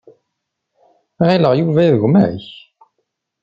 Ɣileɣ Yuba d gma-k.